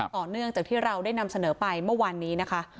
ต่อเนื่องจากที่เราได้นำเสนอไปเมื่อวานนี้นะคะ